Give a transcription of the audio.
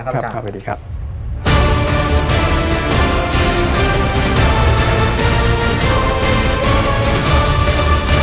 ได้คุยกันนะครับขอบคุณนะครับจ้า